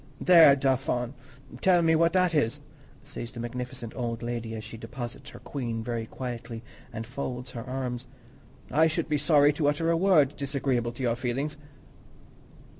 "There, Dauphin, tell me what that is!" says this magnificent old lady, as she deposits her queen very quietly and folds her arms. "I should be sorry to utter a word disagreeable to your feelings."